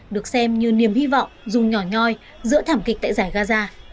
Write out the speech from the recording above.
được xem như niềm hy vọng dùng nhỏ nhoi giữa thảm kịch tại giải gaza